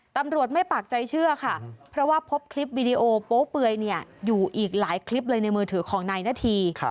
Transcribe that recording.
ตำรวจไม่ปากใจเชื่อค่ะเพราะว่าพบคลิปวิดีโอโป๊เปื่อยอยู่อีกหลายคลิปเลยในมือถือของนายนาธี